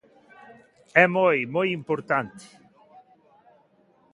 É moi, moi importante.